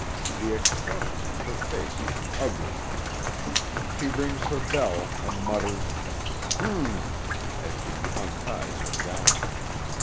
The expression in her face is an ugly one. She rings her bell, and mutters, "H'm!" as she unties her gown.